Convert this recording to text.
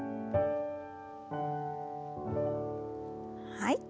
はい。